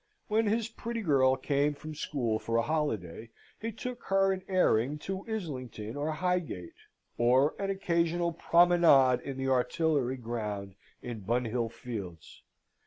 When his pretty girl came from school for a holiday, he took her an airing to Islington or Highgate, or an occasional promenade in the Artillery Ground in Bunhill Fields.